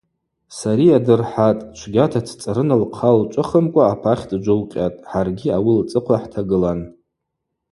Сария дырхӏатӏ, чвгьата дцӏрын лхъа лчӏвыхымкӏва апахь дджвылкъьатӏ, хӏаргьи ауи лцӏыхъва хӏтагылан.